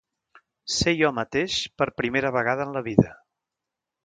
Ser jo mateix per primera vegada en la vida.